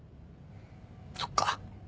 そっか